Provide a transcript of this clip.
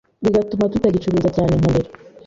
bigatuma tutagicuruza cyane nka mbere